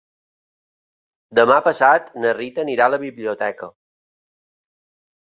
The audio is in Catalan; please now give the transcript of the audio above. Demà passat na Rita anirà a la biblioteca.